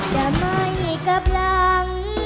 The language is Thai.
จะไม่กำลัง